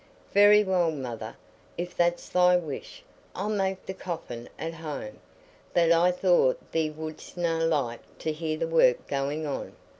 "Very well, mother, if that's thy wish, I'll make the coffin at home; but I thought thee wouldstna like to hear the work going on."